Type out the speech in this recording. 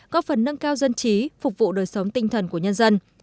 có phần nâng cao dân trí phục vụ đời sống tinh thần của nhân dân